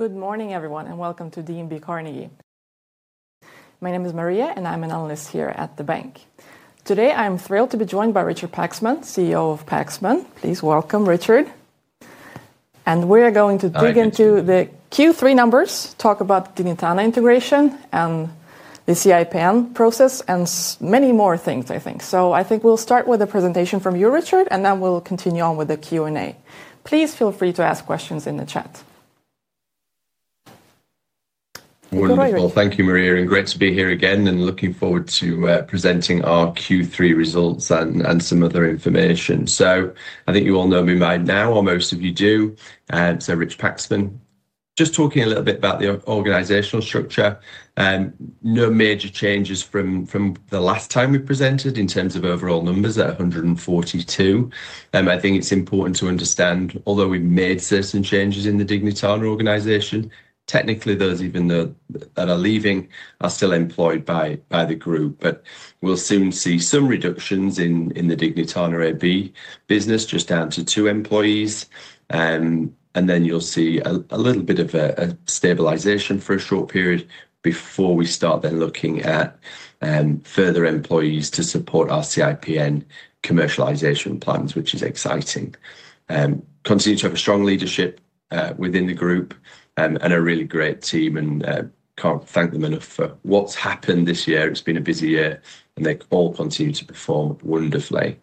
Good morning, everyone, and welcome to D&B Carnegie. My name is Maria, and I'm an analyst here at the bank. Today, I'm thrilled to be joined by Richard Paxman, CEO of PAXMAN. Please welcome Richard. We're going to dig into the Q3 numbers, talk about Dignitana integration and the CIPN process, and many more things, I think. I think we'll start with a presentation from you, Richard, and then we'll continue on with the Q&A. Please feel free to ask questions in the chat. Wonderful. Thank you, Maria, and great to be here again, and looking forward to presenting our Q3 results and some other information. I think you all know me by now, or most of you do. Richard Paxman, just talking a little bit about the organizational structure, no major changes from the last time we presented in terms of overall numbers at 142. I think it's important to understand, although we've made certain changes in the Dignitana organization, technically those even that are leaving are still employed by the group. We'll soon see some reductions in the Dignitana AB business, just down to two employees. You will see a little bit of a stabilization for a short period before we start then looking at further employees to support our CIPN commercialization plans, which is exciting. Continue to have a strong leadership within the group and a really great team, and can't thank them enough for what's happened this year. It's been a busy year, and they all continue to perform wonderfully.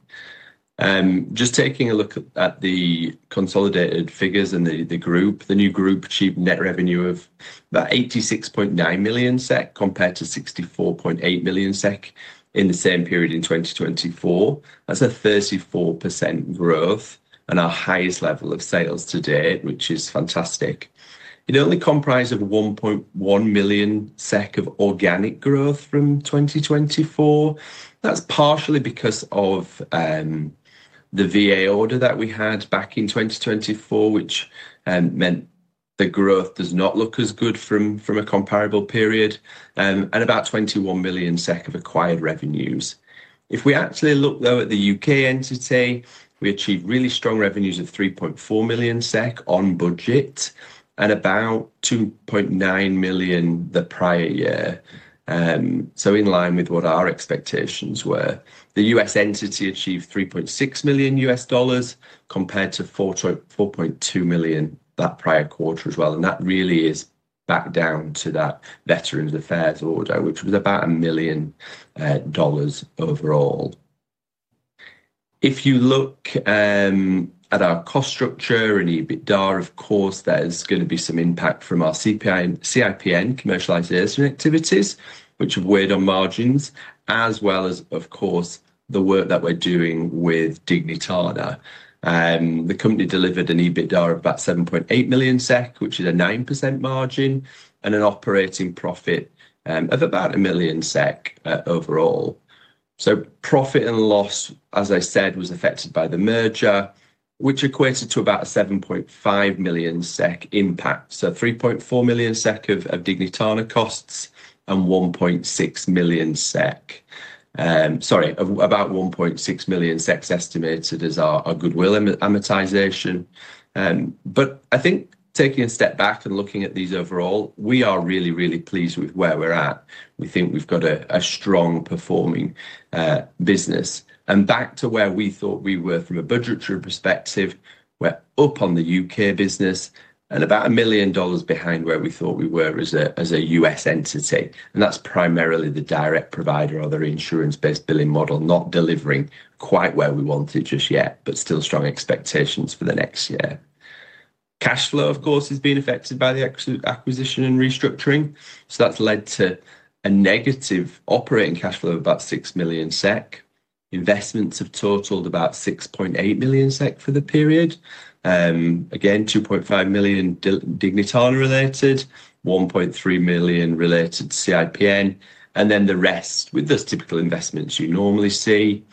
Just taking a look at the consolidated figures and the group, the new group achieved net revenue of about 86.9 million SEK compared to 64.8 million SEK in the same period in 2024. That's a 34% growth and our highest level of sales to date, which is fantastic. It only comprised of 1.1 million SEK of organic growth from 2024. That's partially because of the VA order that we had back in 2024, which meant the growth does not look as good from a comparable period, and about 21 million SEK of acquired revenues. If we actually look, though, at the U.K. entity, we achieved really strong revenues of 3.4 million SEK on budget and about 2.9 million the prior year. So in line with what our expectations were, the US entity achieved $3.6 million compared to $4.2 million that prior quarter as well. That really is back down to that Veterans Affairs order, which was about $1 million overall. If you look at our cost structure and EBITDA, of course, there's going to be some impact from our CIPN commercialization activities, which weighed on margins, as well as, of course, the work that we're doing with Dignitana. The company delivered an EBITDA of about 7.8 million SEK, which is a 9% margin, and an operating profit of about 1 million SEK overall. Profit and loss, as I said, was affected by the merger, which equated to about 7.5 million SEK impact. 3.4 million SEK of Dignitana costs and 1.6 million SEK. Sorry, about 1.6 million SEK estimated as our goodwill amortization. I think taking a step back and looking at these overall, we are really, really pleased with where we're at. We think we've got a strong performing business. Back to where we thought we were from a budgetary perspective, we're up on the U.K. business and about $1 million behind where we thought we were as a US entity. That's primarily the direct provider of the insurance-based billing model not delivering quite where we wanted just yet, but still strong expectations for the next year. Cash flow, of course, has been affected by the acquisition and restructuring. That has led to a negative operating cash flow of about 6 million SEK. Investments have totaled about 6.8 million SEK for the period. Again, 2.5 million Dignitana related, 1.3 million related to CIPN, and then the rest with those typical investments you normally see.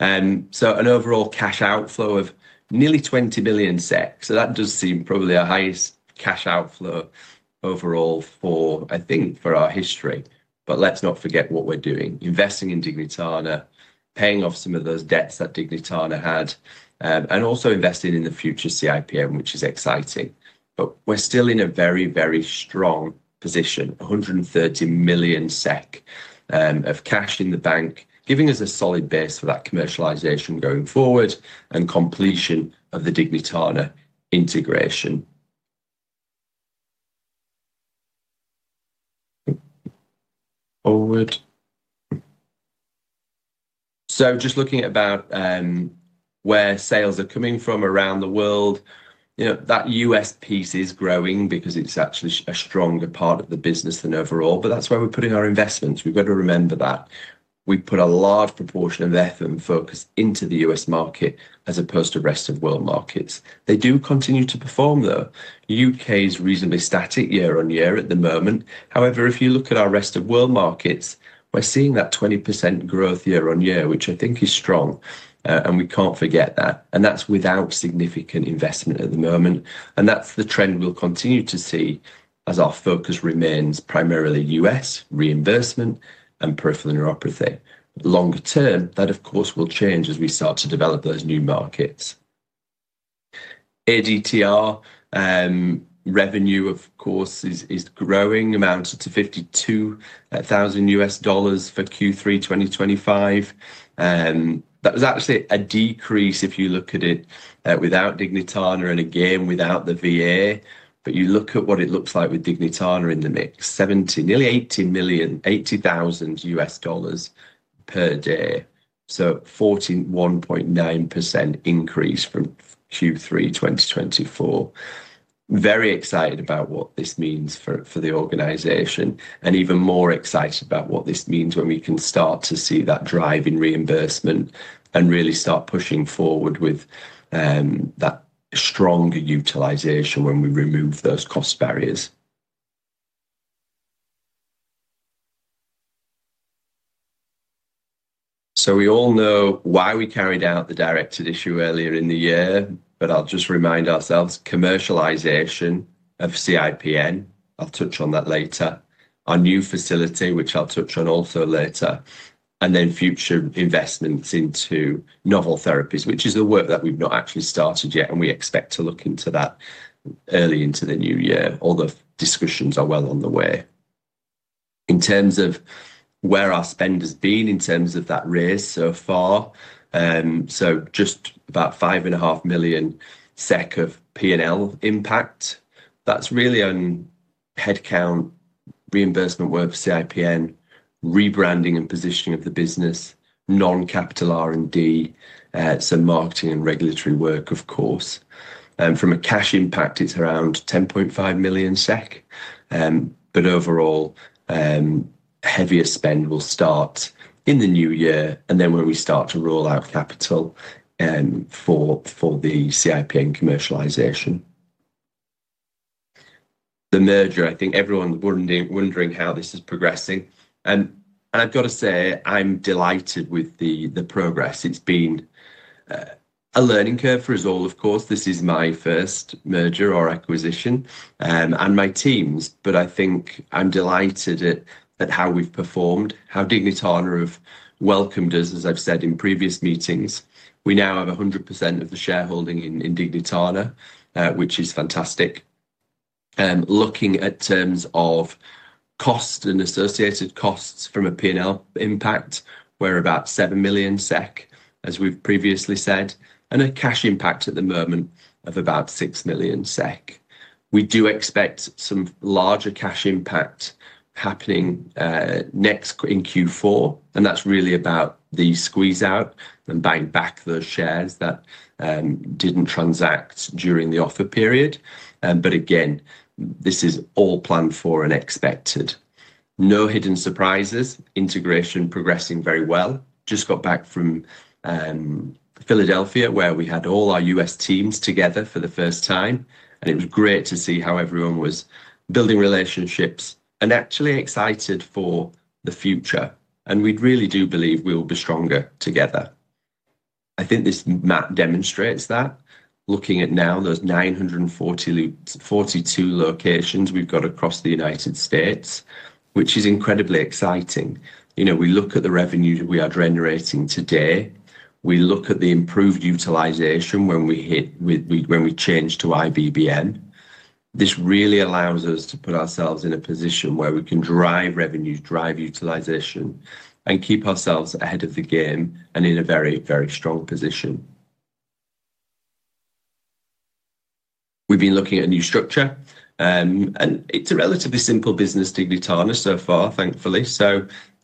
An overall cash outflow of nearly 20 million SEK. That does seem probably our highest cash outflow overall for, I think, for our history. Let's not forget what we're doing. Investing in Dignitana, paying off some of those debts that Dignitana had, and also investing in the future CIPN, which is exciting. We're still in a very, very strong position, 130 million SEK of cash in the bank, giving us a solid base for that commercialization going forward and completion of the Dignitana integration. Forward. Just looking at about where sales are coming from around the world, that US piece is growing because it's actually a stronger part of the business than overall. That's where we're putting our investments. We've got to remember that we put a large proportion of effort and focus into the US market as opposed to rest of world markets. They do continue to perform, though. U.K. is reasonably static year on year at the moment. However, if you look at our rest of world markets, we're seeing that 20% growth year on year, which I think is strong. We can't forget that. That's without significant investment at the moment. That's the trend we'll continue to see as our focus remains primarily US reimbursement and peripheral neuropathy. Longer term, that, of course, will change as we start to develop those new markets. ADTR revenue, of course, is growing, amounted to $52,000 for Q3 2025. That was actually a decrease if you look at it without Dignitana and again without the VA. You look at what it looks like with Dignitana in the mix, $70,000, nearly $1.8 million, $80,000 per day. 41.9% increase from Q3 2024. Very excited about what this means for the organization. Even more excited about what this means when we can start to see that drive in reimbursement and really start pushing forward with that stronger utilization when we remove those cost barriers. We all know why we carried out the directed issue earlier in the year, but I'll just remind ourselves, commercialization of CIPN. I'll touch on that later. Our new facility, which I'll touch on also later. Future investments into novel therapies, which is the work that we've not actually started yet, we expect to look into that early into the new year. All the discussions are well on the way. In terms of where our spend has been in terms of that raise so far, just about 5.5 million SEK of P&L impact. That's really on headcount, reimbursement work for CIPN, rebranding and positioning of the business, non-capital R&D, some marketing and regulatory work, of course. From a cash impact, it's around 10.5 million SEK. Overall, heavier spend will start in the new year when we start to roll out capital for the CIPN commercialization. The merger, I think everyone's wondering how this is progressing. I've got to say, I'm delighted with the progress. It's been a learning curve for us all, of course. This is my first merger or acquisition and my team's, but I think I'm delighted at how we've performed, how Dignitana have welcomed us, as I've said in previous meetings. We now have 100% of the shareholding in Dignitana, which is fantastic. Looking at terms of cost and associated costs from a P&L impact, we're about 7 million SEK, as we've previously said, and a cash impact at the moment of about 6 million SEK. We do expect some larger cash impact happening next in Q4, and that's really about the squeeze out and buying back those shares that didn't transact during the offer period. Again, this is all planned for and expected. No hidden surprises. Integration progressing very well. Just got back from Philadelphia where we had all our US teams together for the first time, and it was great to see how everyone was building relationships and actually excited for the future. We really do believe we will be stronger together. I think this map demonstrates that. Looking at now, there's 942 locations we've got across the United States, which is incredibly exciting. We look at the revenue we are generating today. We look at the improved utilization when we change to IBBM. This really allows us to put ourselves in a position where we can drive revenue, drive utilization, and keep ourselves ahead of the game and in a very, very strong position. We've been looking at a new structure, and it's a relatively simple business, Dignitana so far, thankfully.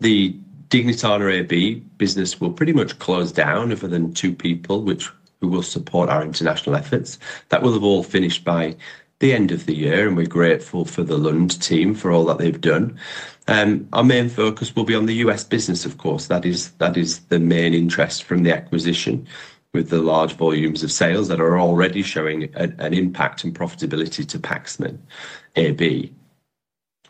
The Dignitana AB business will pretty much close down if there are two people who will support our international efforts. That will have all finished by the end of the year, and we're grateful for the Lund team for all that they've done. Our main focus will be on the US business, of course. That is the main interest from the acquisition with the large volumes of sales that are already showing an impact and profitability to Paxman AB.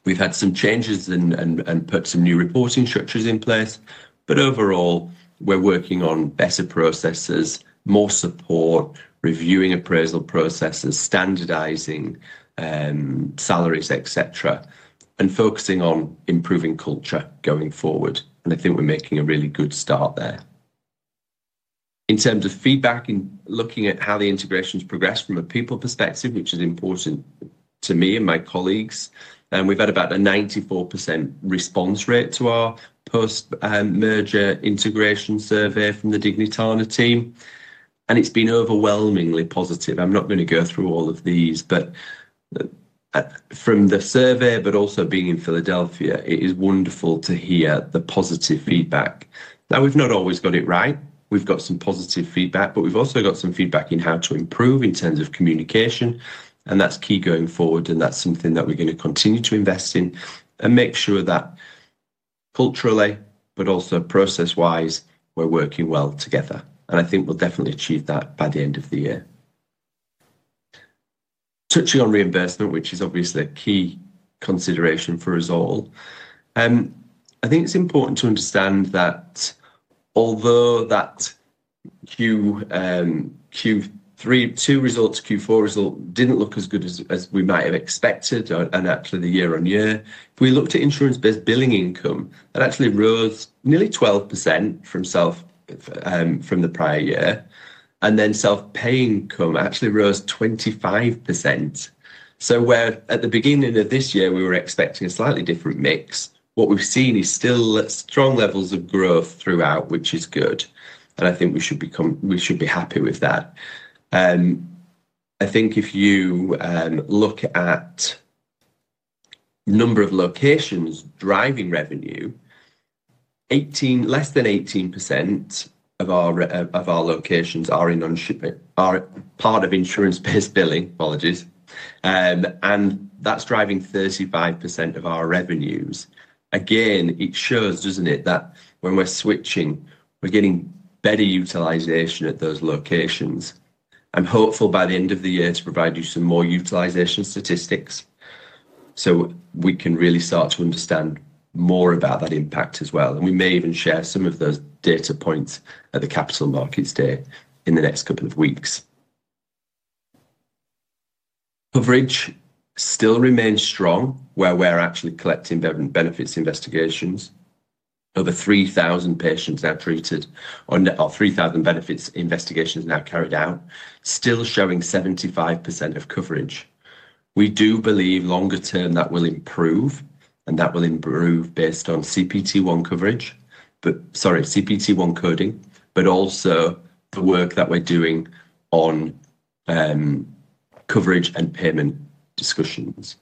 We've had some changes and put some new reporting structures in place, but overall, we're working on better processes, more support, reviewing appraisal processes, standardizing salaries, etc., and focusing on improving culture going forward. I think we're making a really good start there. In terms of feedback and looking at how the integration's progressed from a people perspective, which is important to me and my colleagues, we've had about a 94% response rate to our post-merger integration survey from the Dignitana team. It's been overwhelmingly positive. I'm not going to go through all of these, but from the survey, but also being in Philadelphia, it is wonderful to hear the positive feedback. We've not always got it right. We've got some positive feedback, but we've also got some feedback in how to improve in terms of communication. That's key going forward, and that's something that we're going to continue to invest in and make sure that culturally, but also process-wise, we're working well together. I think we'll definitely achieve that by the end of the year. Touching on reimbursement, which is obviously a key consideration for us all, I think it's important to understand that although the Q2 results, Q4 result didn't look as good as we might have expected, and actually the year on year, if we looked at insurance-based billing income, that actually rose nearly 12% from the prior year. Self-paying income actually rose 25%. Where at the beginning of this year, we were expecting a slightly different mix, what we've seen is still strong levels of growth throughout, which is good. I think we should be happy with that. I think if you look at the number of locations driving revenue, less than 18% of our locations are in non-shipping, are part of insurance-based billing, apologies. That's driving 35% of our revenues. Again, it shows, doesn't it, that when we're switching, we're getting better utilization at those locations. I'm hopeful by the end of the year to provide you some more utilization statistics so we can really start to understand more about that impact as well. We may even share some of those data points at the capital markets day in the next couple of weeks. Coverage still remains strong where we're actually collecting benefits investigations. Over 3,000 patients now treated or 3,000 benefits investigations now carried out, still showing 75% of coverage. We do believe longer term that will improve and that will improve based on CPT-1 coding, but also the work that we're doing on coverage and payment discussions.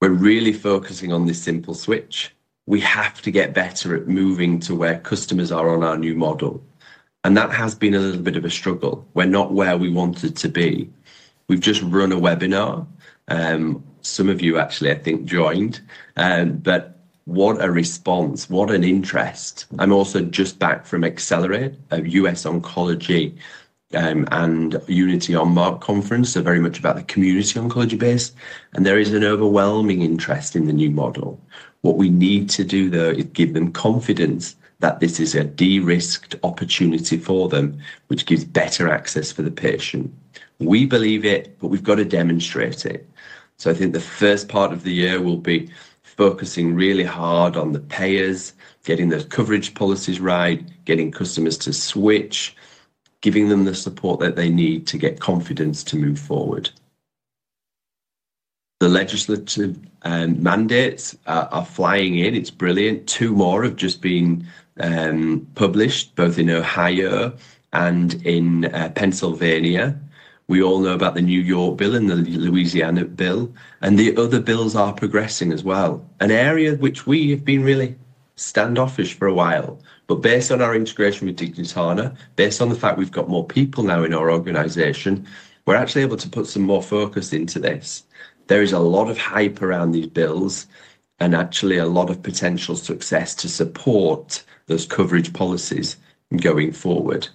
We're really focusing on this simple switch. We have to get better at moving to where customers are on our new model. That has been a little bit of a struggle. We're not where we wanted to be. We've just run a webinar. Some of you actually, I think, joined. What a response, what an interest. I'm also just back from Accelerate, a US Oncology and Unity on Mark conference, so very much about the community Oncology base. There is an overwhelming interest in the new model. What we need to do, though, is give them confidence that this is a de-risked opportunity for them, which gives better access for the patient. We believe it, but we've got to demonstrate it. I think the first part of the year will be focusing really hard on the payers, getting the coverage policies right, getting customers to switch, giving them the support that they need to get confidence to move forward. The legislative mandates are flying in. It's brilliant. Two more have just been published, both in Ohio and in Pennsylvania. We all know about the New York bill and the Louisiana bill. The other bills are progressing as well. An area which we have been really standoffish for a while, but based on our integration with Dignitana, based on the fact we've got more people now in our organization, we're actually able to put some more focus into this. There is a lot of hype around these bills and actually a lot of potential success to support those coverage policies going forward.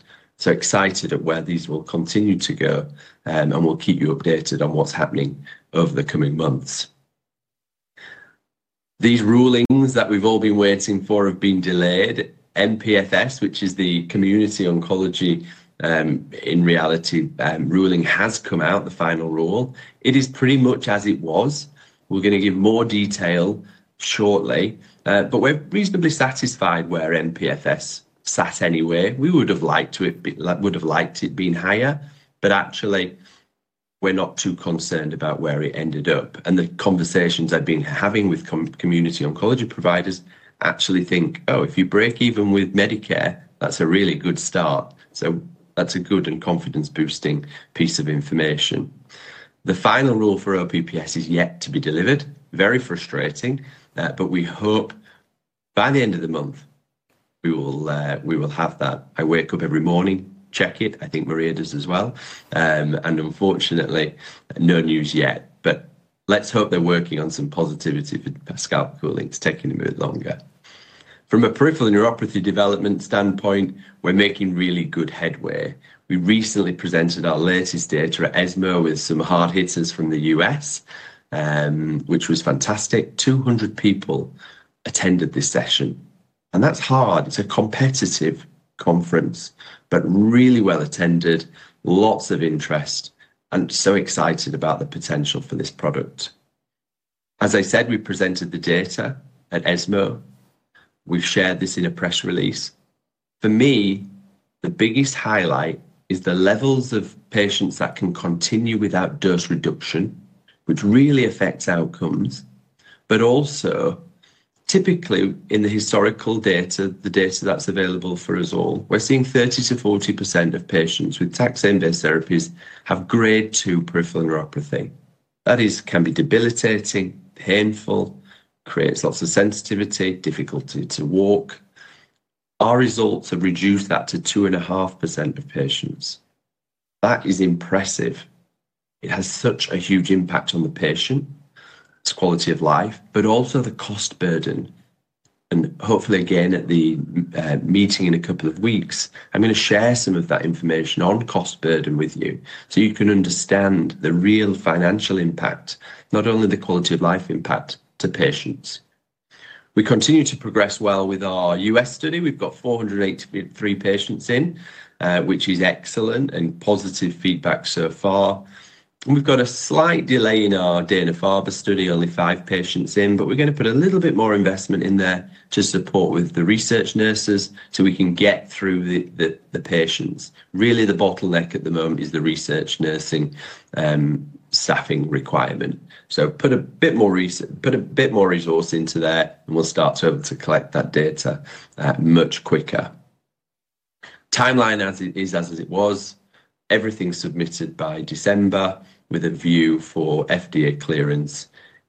Excited at where these will continue to go and we'll keep you updated on what's happening over the coming months. These rulings that we've all been waiting for have been delayed. NPFS, which is the community Oncology in reality ruling, has come out, the final rule. It is pretty much as it was. We're going to give more detail shortly, but we're reasonably satisfied where NPFS sat anyway. We would have liked it, would have liked it being higher, but actually we're not too concerned about where it ended up. The conversations I've been having with community Oncology providers actually think, "Oh, if you break even with Medicare, that's a really good start." That is a good and confidence-boosting piece of information. The final rule for OPPS is yet to be delivered. Very frustrating, but we hope by the end of the month we will have that. I wake up every morning, check it. I think Maria does as well. Unfortunately, no news yet, but let's hope they're working on some positivity for scalp cooling. It's taking a bit longer. From a peripheral neuropathy development standpoint, we're making really good headway. We recently presented our latest data at ESMO with some hard hitters from the U.S., which was fantastic. Two hundred people attended this session. It's a competitive conference, but really well attended, lots of interest, and so excited about the potential for this product. As I said, we presented the data at ESMO. We've shared this in a press release. For me, the biggest highlight is the levels of patients that can continue without dose reduction, which really affects outcomes, but also typically in the historical data, the data that's available for us all. We're seeing 30%-40% of patients with taxon-based therapies have grade 2 peripheral neuropathy. That can be debilitating, painful, creates lots of sensitivity, difficulty to walk. Our results have reduced that to 2.5% of patients. That is impressive. It has such a huge impact on the patient, its quality of life, but also the cost burden. Hopefully, again, at the meeting in a couple of weeks, I'm going to share some of that information on cost burden with you so you can understand the real financial impact, not only the quality of life impact to patients. We continue to progress well with our US study. We've got 483 patients in, which is excellent and positive feedback so far. We've got a slight delay in our Dana-Farber study, only five patients in, but we're going to put a little bit more investment in there to support with the research nurses so we can get through the patients. Really, the bottleneck at the moment is the research nursing staffing requirement. Put a bit more resource into there and we'll start to collect that data much quicker. Timeline as it is, as it was, everything submitted by December with a view for FDA clearance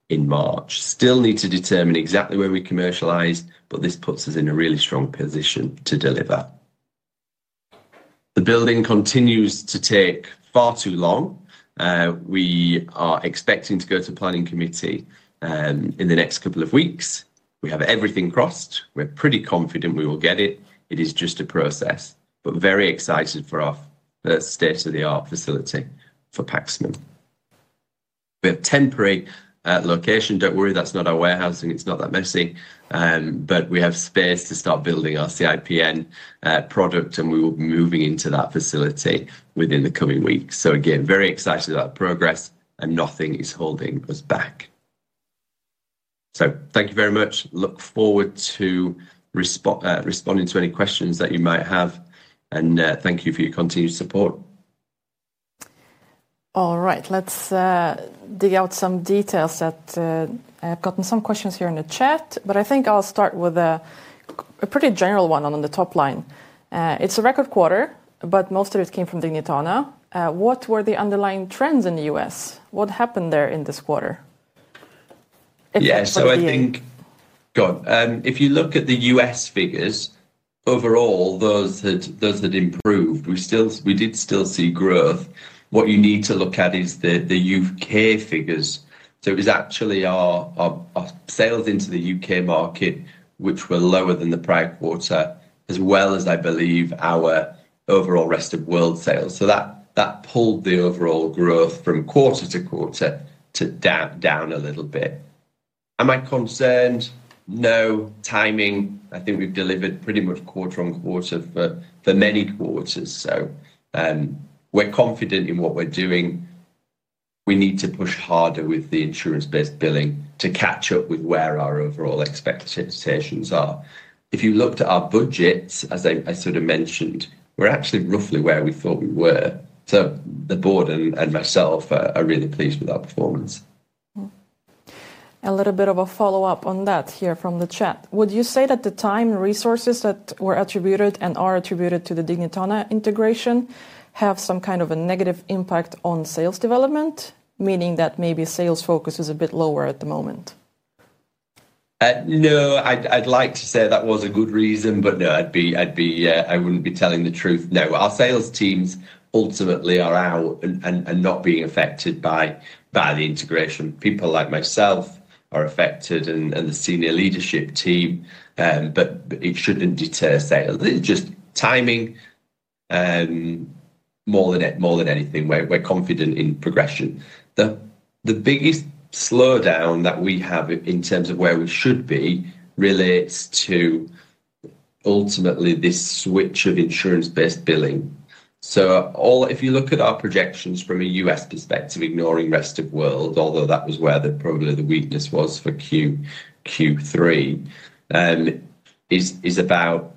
in March. Still need to determine exactly where we commercialize, but this puts us in a really strong position to deliver. The building continues to take far too long. We are expecting to go to planning committee in the next couple of weeks. We have everything crossed. We're pretty confident we will get it. It is just a process, but very excited for our state-of-the-art facility for Paxman. We have temporary location. Don't worry, that's not our warehousing. It's not that messy, but we have space to start building our CIPN product, and we will be moving into that facility within the coming weeks. Again, very excited about progress and nothing is holding us back. Thank you very much. Look forward to responding to any questions that you might have, and thank you for your continued support. All right, let's dig out some details. I have gotten some questions here in the chat, but I think I'll start with a pretty general one on the top line. It's a record quarter, but most of it came from Dignitana. What were the underlying trends in the U.S.? What happened there in this quarter? Yeah, so I think, go on. If you look at the US figures, overall, those had improved. We did still see growth. What you need to look at is the UK figures. It was actually our sales into the UK market, which were lower than the prior quarter, as well as, I believe, our overall rest of world sales. That pulled the overall growth from quarter to quarter down a little bit. Am I concerned? No. Timing. I think we've delivered pretty much quarter on quarter for many quarters. So we're confident in what we're doing. We need to push harder with the insurance-based billing to catch up with where our overall expectations are. If you looked at our budgets, as I sort of mentioned, we're actually roughly where we thought we were. So the board and myself are really pleased with our performance. A little bit of a follow-up on that here from the chat. Would you say that the time and resources that were attributed and are attributed to the Dignitana integration have some kind of a negative impact on sales development, meaning that maybe sales focus is a bit lower at the moment? No, I'd like to say that was a good reason, but no, I'd be I wouldn't be telling the truth. No. Our sales teams ultimately are out and not being affected by the integration. People like myself are affected and the senior leadership team, but it shouldn't deter sales. It's just timing more than anything. We're confident in progression. The biggest slowdown that we have in terms of where we should be relates to ultimately this switch of insurance-based billing. If you look at our projections from a US perspective, ignoring rest of world, although that was where probably the weakness was for Q3, is about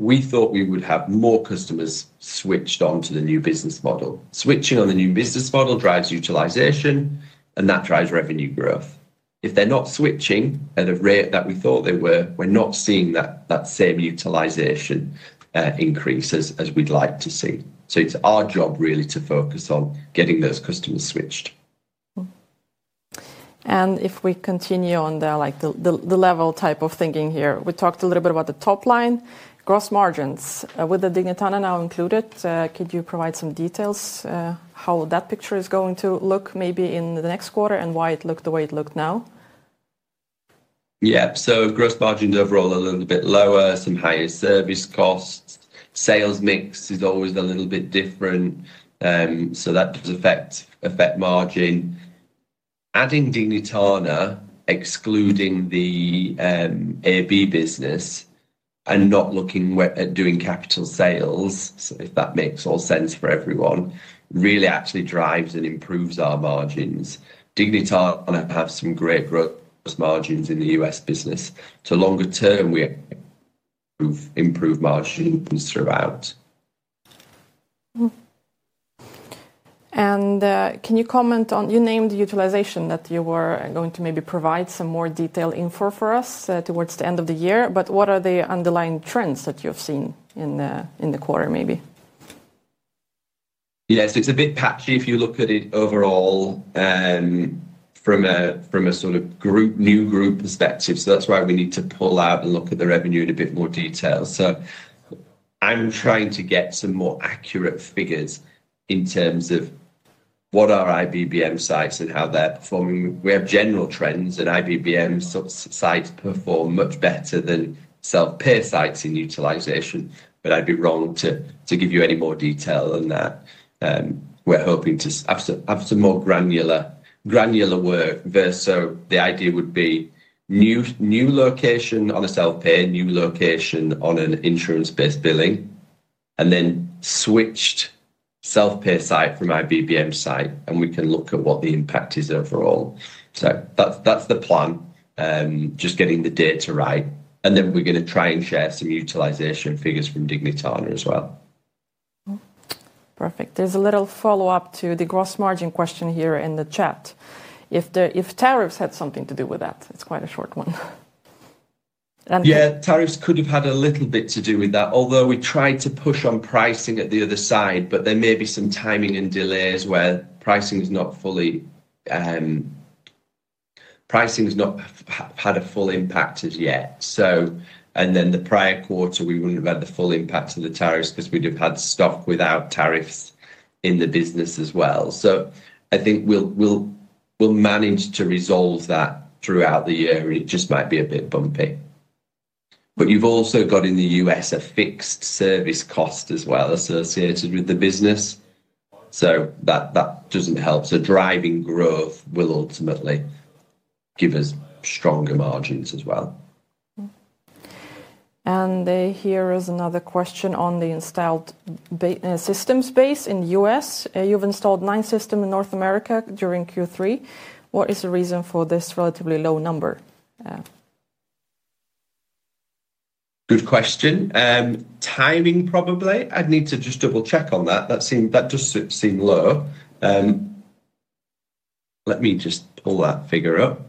we thought we would have more customers switched onto the new business model. Switching on the new business model drives utilization, and that drives revenue growth. If they're not switching at a rate that we thought they were, we're not seeing that same utilization increase as we'd like to see. It's our job really to focus on getting those customers switched. If we continue on the level type of thinking here, we talked a little bit about the top line, gross margins. With Dignitana now included, could you provide some details how that picture is going to look maybe in the next quarter and why it looked the way it looked now? Yeah, gross margins overall are a little bit lower, some higher service costs. Sales mix is always a little bit different, so that does affect margin. Adding Dignitana, excluding the AB business and not looking at doing capital sales, if that makes all sense for everyone, really actually drives and improves our margins. Dignitana have some great gross margins in the US business. Longer term, we improve margins throughout. Can you comment on you named the utilization that you were going to maybe provide some more detailed info for us towards the end of the year, but what are the underlying trends that you've seen in the quarter maybe? Yeah, it's a bit patchy if you look at it overall from a sort of new group perspective. That's why we need to pull out and look at the revenue in a bit more detail. I'm trying to get some more accurate figures in terms of what our IBBM sites and how they're performing. We have general trends in IBBM sites perform much better than self-pay sites in utilization, but I'd be wrong to give you any more detail than that. We're hoping to have some more granular work versus the idea would be new location on a self-pay, new location on an insurance-based billing, and then switched self-pay site from IBBM site, and we can look at what the impact is overall. That is the plan, just getting the data right. We are going to try and share some utilization figures from Dignitana as well. Perfect. There is a little follow-up to the gross margin question here in the chat. If tariffs had something to do with that, it is quite a short one. Yeah, tariffs could have had a little bit to do with that, although we tried to push on pricing at the other side, but there may be some timing and delays where pricing has not fully had a full impact as yet. The prior quarter, we wouldn't have had the full impact of the tariffs because we'd have had stock without tariffs in the business as well. I think we'll manage to resolve that throughout the year, and it just might be a bit bumpy. You've also got in the U.S. a fixed service cost as well associated with the business, so that doesn't help. Driving growth will ultimately give us stronger margins as well. Here is another question on the installed systems base in the U.S.. You've installed nine systems in North America during Q3. What is the reason for this relatively low number? Good question. Timing probably. I'd need to just double-check on that. That does seem low. Let me just pull that figure up.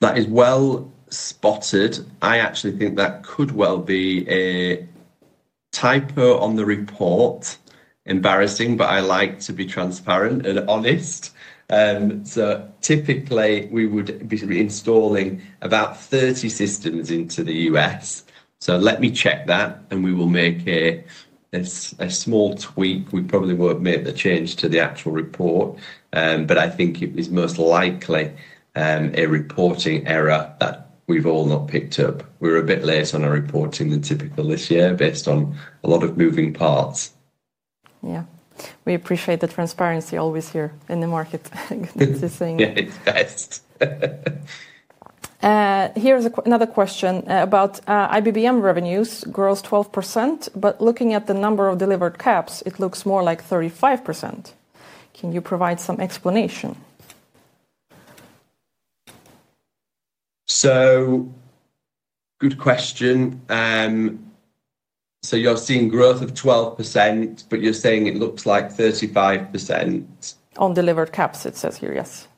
That is well spotted. I actually think that could well be a typo on the report. Embarrassing, but I like to be transparent and honest. Typically, we would be installing about 30 systems into the U.S.. Let me check that, and we will make a small tweak. We probably will not make the change to the actual report, but I think it is most likely a reporting error that we have all not picked up. We are a bit late on our reporting than typical this year based on a lot of moving parts. Yeah. We appreciate the transparency always here in the market. It is the same. Yeah, it is best. Here is another question about IBBM revenues grows 12%, but looking at the number of delivered caps, it looks more like 35%. Can you provide some explanation? Good question. You are seeing growth of 12%, but you are saying it looks like 35%. On delivered caps, it says here, yes.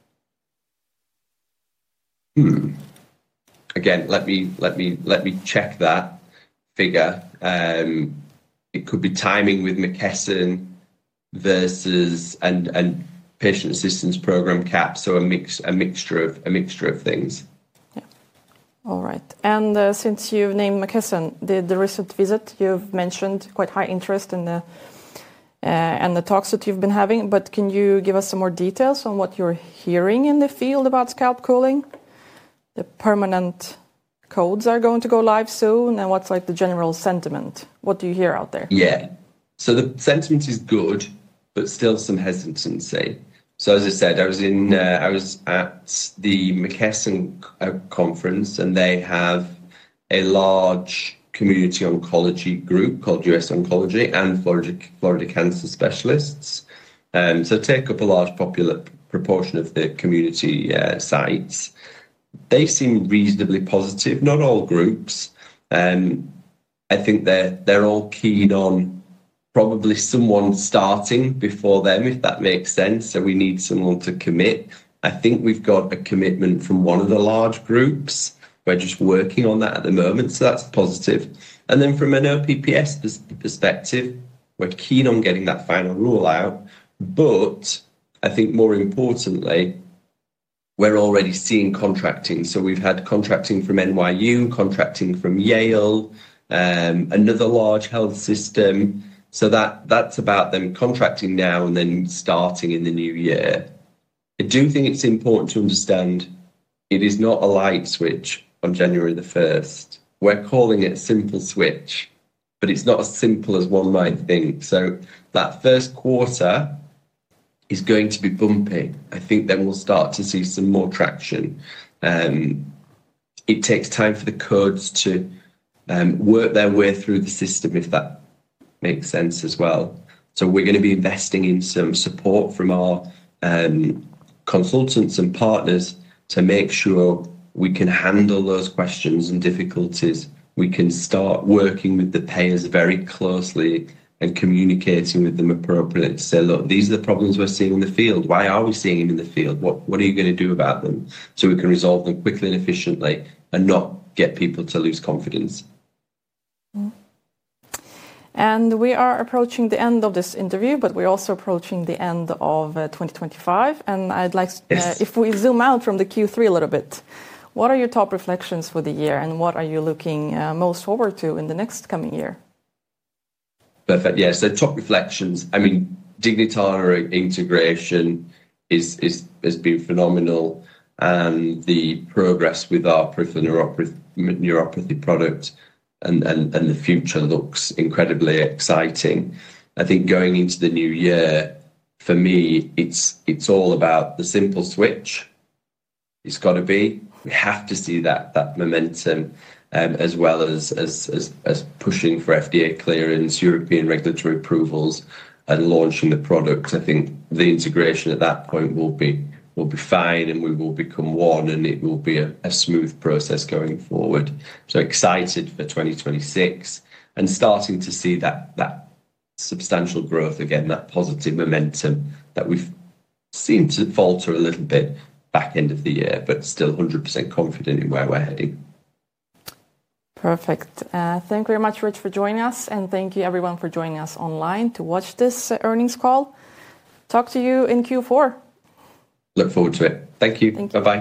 Again, let me check that figure. It could be timing with McKesson versus a patient assistance program cap, so a mixture of things. All right. Since you've named McKesson, the recent visit, you've mentioned quite high interest in the talks that you've been having, but can you give us some more details on what you're hearing in the field about scalp cooling? The permanent codes are going to go live soon, and what's the general sentiment? What do you hear out there? Yeah. The sentiment is good, but still some hesitancy. As I said, I was at the McKesson conference, and they have a large community Oncology Group called US Oncology and Florida Cancer Specialists. They take up a large proportion of the community sites. They seem reasonably positive, not all groups. I think they're all keen on probably someone starting before them, if that makes sense, so we need someone to commit. I think we've got a commitment from one of the large groups. We're just working on that at the moment, so that's positive. From an OPPS perspective, we're keen on getting that final rule out, but I think more importantly, we're already seeing contracting. We've had contracting from NYU, contracting from Yale, another large health system. That's about them contracting now and then starting in the new year. I do think it's important to understand it is not a light switch on January the 1st. We're calling it a simple switch, but it's not as simple as one might think. That first quarter is going to be bumpy. I think then we'll start to see some more traction. It takes time for the codes to work their way through the system, if that makes sense as well. We are going to be investing in some support from our consultants and partners to make sure we can handle those questions and difficulties. We can start working with the payers very closely and communicating with them appropriately to say, "Look, these are the problems we're seeing in the field. Why are we seeing them in the field? What are you going to do about them so we can resolve them quickly and efficiently and not get people to lose confidence?" We are approaching the end of this interview, but we're also approaching the end of 2025. If we zoom out from the Q3 a little bit, what are your top reflections for the year, and what are you looking most forward to in the next coming year? Perfect. Yeah, so top reflections. I mean, Dignitana integration has been phenomenal, and the progress with our peripheral neuropathy product and the future looks incredibly exciting. I think going into the new year, for me, it's all about the simple switch. It's got to be. We have to see that momentum as well as pushing for FDA clearance, European regulatory approvals, and launching the product. I think the integration at that point will be fine, and we will become one, and it will be a smooth process going forward. Excited for 2026 and starting to see that substantial growth again, that positive momentum that we've seemed to falter a little bit back end of the year, but still 100% confident in where we're heading. Perfect. Thank you very much, Rich, for joining us, and thank you everyone for joining us online to watch this earnings call. Talk to you in Q4. Look forward to it. Thank you. Goodbye